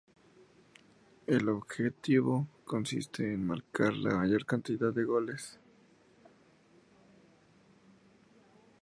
El objetivo consiste en marcar la mayor cantidad de goles.